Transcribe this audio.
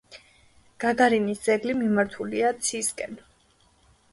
გაგარინის ძეგლი მიმართულია ცისკენ.